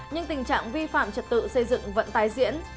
nhưng tình trạng vi phạm trật tự xây dựng vẫn tái diễn